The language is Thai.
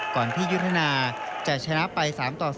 ก่อนที่ยุฒนาจะชนะไป๓๒